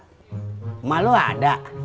emak lu ada